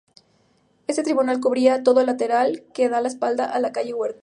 Esta tribuna cubría todo el lateral que da espaldas a la calle Huergo.